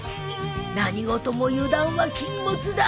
何事も油断は禁物だ。